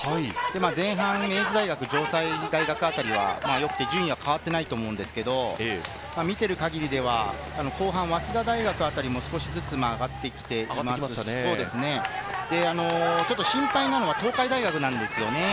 前半、明治大学、城西大学あたりはよくて順位は変わっていないと思うんですけど、見てる限りでは後半、早稲田大学あたりも少しずつ上がってきて、ちょっと心配なのは東海大学なんですよね。